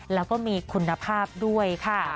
แล้วก็มีคุณภาพด้วยค่ะ